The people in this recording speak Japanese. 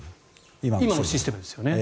今のシステムですよね。